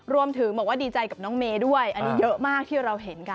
รวมถึงบอกว่าดีใจกับน้องเมย์ด้วยอันนี้เยอะมากที่เราเห็นกัน